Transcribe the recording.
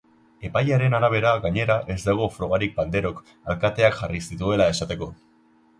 Epailearen arabera, gainera, ez dago frogarik banderok alkateak jarri zituela esateko.